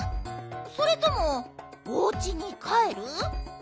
それともおうちにかえる？